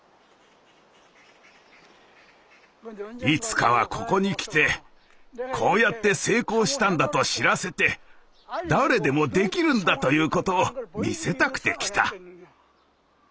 いつかはここに来てこうやって成功したんだと知らせて誰でもできるんだということを見せたくて来た。